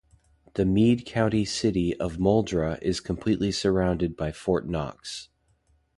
The Meade County city of Muldraugh is completely surrounded by Fort Knox.